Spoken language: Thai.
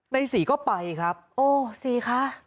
ในศรีก็ไปครับโอ้ศรีคะ